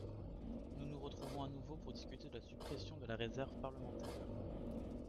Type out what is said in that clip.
Nous nous retrouvons à nouveau pour discuter de la suppression de la réserve parlementaire.